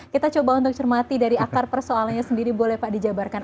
kita coba untuk cermati dari akar persoalannya sendiri boleh pak dijabarkan